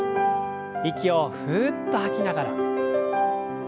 息をふっと吐きながら。